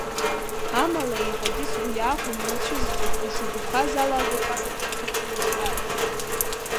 Амала еиҳагьы сгәы иахәон иуцәызӡом ишугәаԥхаз ала ажәақәак акьыԥхь аҿы иуҳәар.